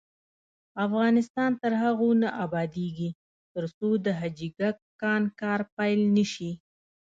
افغانستان تر هغو نه ابادیږي، ترڅو د حاجي ګک کان کار پیل نشي.